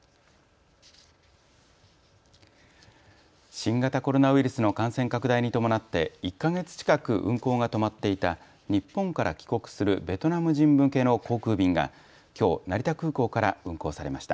新型コロナウイルスの感染拡大に伴って１か月近く運航が止まっていた日本から帰国するベトナム人向けの航空便がきょう、成田空港から運航されました。